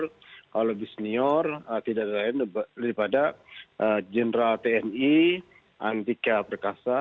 kalau lebih senior tidak lain daripada general tni antika perkasa